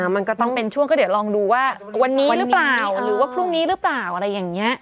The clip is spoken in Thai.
มันก็ต้องเป็นช่วงก็เดี๋ยวลองดูว่าวันนี้หรือเปล่าหรือว่าพรุ่งนี้หรือเปล่าอะไรอย่างนี้